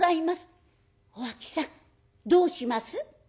お秋さんどうします？」。